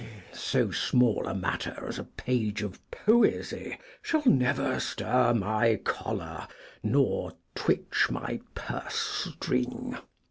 So small a matter as a page of poesy shall never stir my choler nor twitch my purse string.